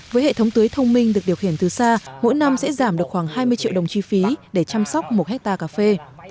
với hệ thống tưới thông minh được điều khiển từ xa mỗi năm sẽ giảm được khoảng hai mươi triệu đồng chi phí để chăm sóc một hectare cà phê